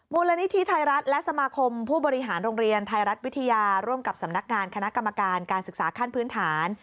มูลนิธิไทยรัฐและสมาคมผู้บริหารโรงเรียนไทยรัฐวิทยาร่วมกับสำนักงานคณะกรรมการการศึกษาขั้นพื้นฐาน